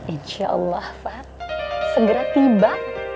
insya allah fad segera tiba